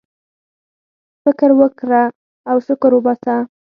فكر وكره او شكر وباسه!